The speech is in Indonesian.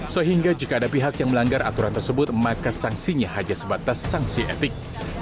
sehingga jika ada pihak yang melanggar aturan tersebut maka sanksinya hanya sebatas sanksi etik